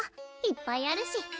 いっぱいあるし。